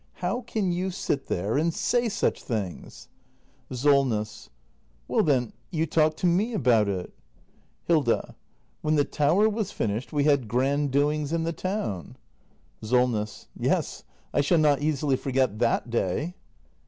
] How can you sit there and say such things ? Solness. Well, then, you talk to m e about it. Hilda. When the tower was finished, we had grand doings in the town. act i] THE MASTER BUILDER 297 SOLNESS. Yes, I shall not easily forget that day.